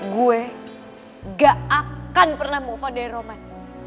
gue gak akan pernah move on dari roman